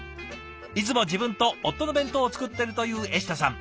いつも自分と夫の弁当を作ってるというえしたさん。